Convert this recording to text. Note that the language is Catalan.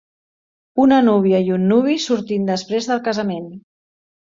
Una núvia i un nuvi sortint després del casament.